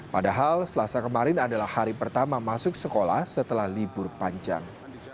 padahal selasa kemarin adalah hari pertama masuk sekolah setelah libur panjang